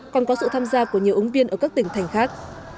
còn có sự tham gia của nhiều ứng viên ở các tỉnh thành khác